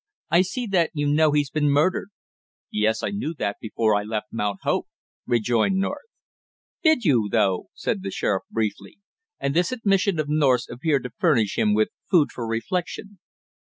"I see that you know he's been murdered." "Yes, I knew that before I left Mount Hope," rejoined North. "Did you, though?" said the sheriff briefly, and this admission of North's appeared to furnish him with food for reflection.